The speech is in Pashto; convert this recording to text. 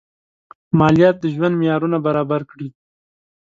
مالیات د ژوند معیارونه برابر کړي.